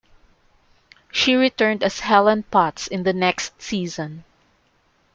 She returned as Helen Potts in the next season.